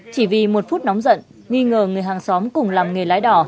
chỉ vì một phút nóng giận nghi ngờ người hàng xóm cùng làm nghề lái đỏ